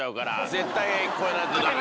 絶対に超えないとダメだよ。